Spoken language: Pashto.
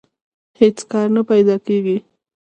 هېڅ کار نه پیدا کېږي